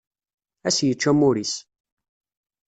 Ad as-yečč amur-is.